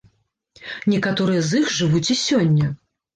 Некаторыя з іх жывуць і сёння.